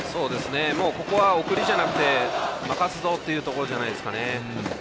ここは送りじゃなくて任すぞというところじゃないでしょうか。